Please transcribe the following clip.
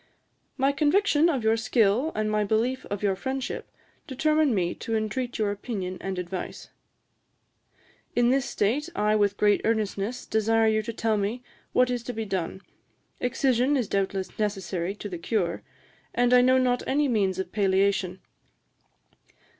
'My conviction of your skill, and my belief of your friendship, determine me to intreat your opinion and advice.' 'In this state I with great earnestness desire you to tell me what is to be done. Excision is doubtless necessary to the cure, and I know not any means of palliation.